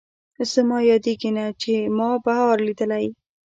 زما یادېږي نه، چې ما بهار لیدلی